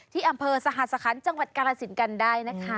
ที่อำเภอสหสคัญจังหวัดกาลสินกันได้นะคะ